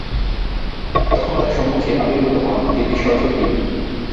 তখন তার সম্মুখে আবির্ভূত হন দেবী সরস্বতী।